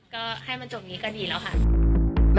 ก็ให้มันจบนี้ก็ดีแล้วค่ะ